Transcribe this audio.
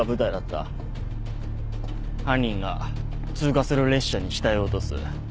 犯人が通過する列車に死体を落とす。